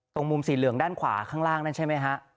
ตรงมุมสีเหลืองด้านขวาข้างล่างนั่นใช่ไหมฮะ